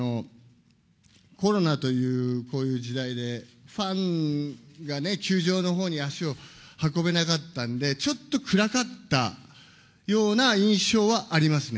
コロナというこういう時代で、ファンがね、球場のほうに足を運べなかったんで、ちょっと暗かったような印象はありますね。